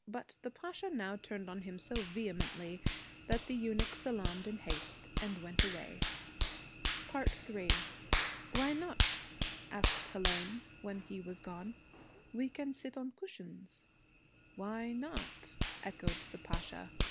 But the Pasha now turned on him so vehemently that the eunuch salaamed in haste and went away. III 'Why not?' asked Hélène, when he was gone. 'We can sit on cushions.' 'Why not?' echoed the Pasha.